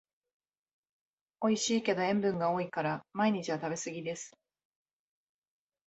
おいしいけど塩分が多いから毎日は食べすぎです